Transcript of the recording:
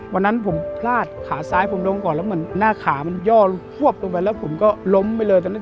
วันนั้นผมพลาดขาซ้ายผมลงก่อนแล้วเหมือนหน้าขามันย่อพวบลงไปแล้วผมก็ล้มไปเลยตอนนั้น